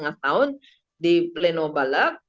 sudah dua lima tahun di pleno baleh